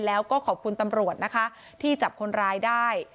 แล้วก็ขอบคุณตำรวจนะคะที่จับคนร้ายได้